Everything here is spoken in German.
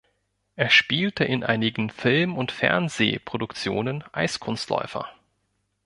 Er spielte in einigen Film- und Fernsehproduktionen Eiskunstläufer.